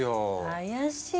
怪しい。